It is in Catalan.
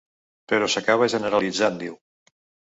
Però s’acaba generalitzant, diu.